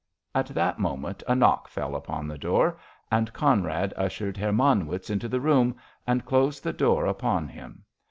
At that moment a knock fell upon the door, and Conrad ushered Herr Manwitz into the room, and closed the door upon him.